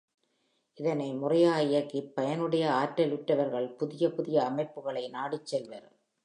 இதனை முறையாக இயக்கிப் பயனடைய ஆற்றலுற்றவர்கள் புதிய புதிய அமைப்புக்களை நாடிச் செல்வர்.